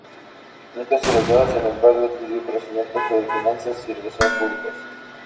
Nunca se graduó, sin embargo, adquirió conocimiento sobre finanzas y relaciones públicas.